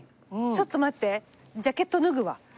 ちょっと待ってジャケット脱ぐわ。